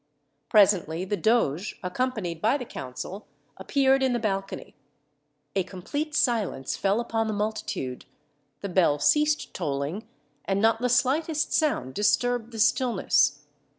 Presently the doge, accompanied by the council, appeared in the balcony. A complete silence fell upon the multitude, the bell ceased tolling, and not the slightest sound disturbed the stillness.